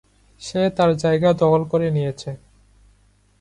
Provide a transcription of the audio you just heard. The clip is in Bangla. সে তার জায়গা দখল করে নিয়েছে।